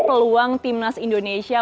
peluang timnas indonesia